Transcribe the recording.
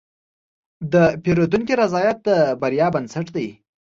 د پیرودونکي رضایت د بریا بنسټ دی.